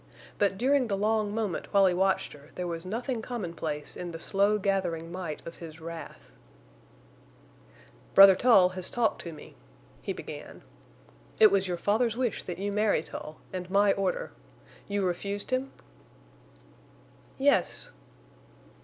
But during the long moment while he watched her there was nothing commonplace in the slow gathering might of his wrath. "Brother Tull has talked to me," he began. "It was your father's wish that you marry Tull, and my order. You refused him?" "Yes."